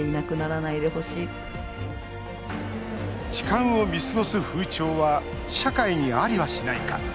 痴漢を見過ごす風潮は社会にありはしないか。